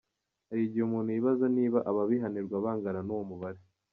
Hari igihe umuntu yibaza niba ababihanirwa bangana n’uwo mubare.